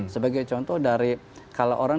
sebagai contoh dari kalau orang